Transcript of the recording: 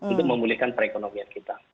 untuk memulihkan perekonomian kita